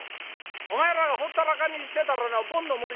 お前らがほったらかにしてたらなボンの守り